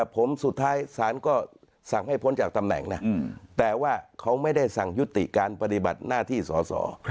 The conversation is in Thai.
ผมสุดท้ายศาลก็สั่งให้พ้นจากตำแหน่งนะแต่ว่าเขาไม่ได้สั่งยุติการปฏิบัติหน้าที่สอสอ